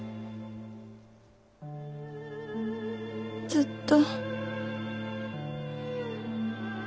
ずっと。